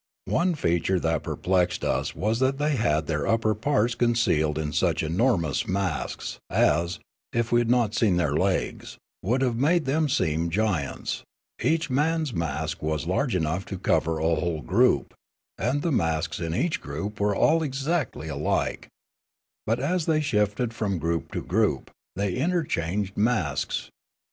One feature that perplexed us was that they had their upper parts concealed in such enormous masks as, if we had not seen their legs, would Meskeeta 315 have made them seem giants ; each man's mask was large enough to cover a whole group ; and the masks in each group were all exactly alike ; but, as they shifted from group to group, they interchanged masks.